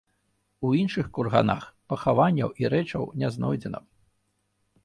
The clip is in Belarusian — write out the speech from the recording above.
У іншых курганах пахаванняў і рэчаў не знойдзена.